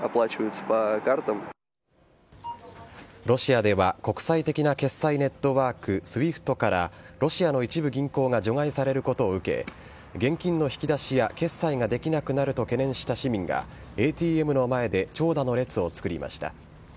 ロシアでは国際的な決済ネットワーク、ＳＷＩＦＴから、ロシアの一部銀行が除外されることを受け、現金の引き出しや決済ができなくなると懸念した市民が、ＡＴＭの前で長蛇の列を作りました。